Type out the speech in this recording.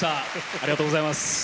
ありがとうございます。